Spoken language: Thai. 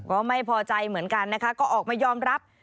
ก็ไม่พอใจเหมือนกันนะคะก็ออกมายอมรับ